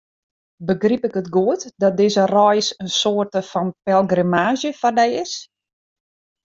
Begryp ik it goed dat dizze reis in soarte fan pelgrimaazje foar dy is?